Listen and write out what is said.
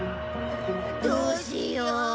どうしよう。